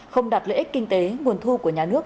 không đặt lợi ích kinh tế nguồn thu của nhà nước